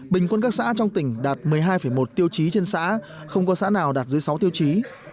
bình quân các xã trong tỉnh đạt một mươi hai một tiêu chí trên xã không có xã nào đạt dưới sáu tiêu chí